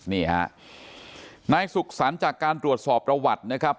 นี่ฮะนายสุขสรรค์จากการตรวจสอบประวัตินะครับ